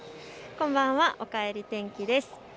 こんばんは、おかえり天気です。